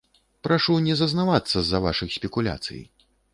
Прашу не зазнавацца з-за вашых спекуляцый.